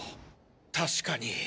確かに。